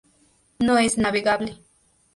No es navegable.